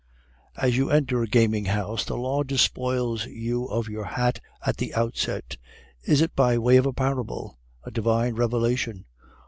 As you enter a gaming house the law despoils you of your hat at the outset. Is it by way of a parable, a divine revelation?